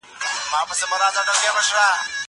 ښوونځی له کتابتونه ښه دی!